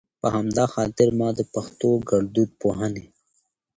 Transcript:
په همدا خاطر ما د پښتو ګړدود پوهنې